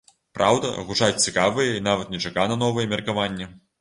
Праўда, гучаць цікавыя і нават нечакана новыя меркаванні.